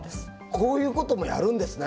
こういうこともやるんですね。